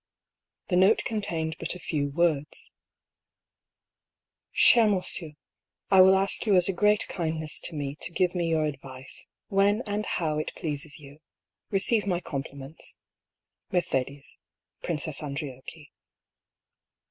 The note contained but a few words : MERCEDES. 199 " Cher Monsieur, — I will ask yoa as a great kindness to rae to give me your advice, when and how it pleases you. Receive my compliments. Mercedes (Princess Andriocchi)."